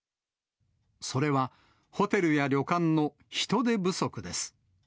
それは、ホテルや旅館の人手不足です。